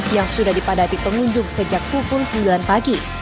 yang sudah dipadati pengunjung sejak pukul sembilan pagi